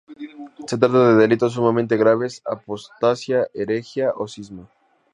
Se trata de delitos sumamente graves: apostasía, herejía o cisma.